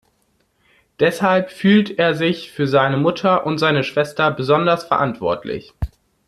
Deshalb fühlt er sich für seine Mutter und seine Schwester besonders verantwortlich.